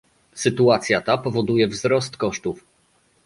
Sytuacja ta powoduje wzrost kosztów